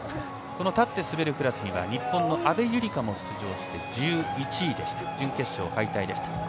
この立って滑るクラスには日本の阿部友里香も出場して１１位で準決勝敗退でした。